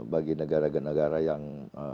bagi negara negara yang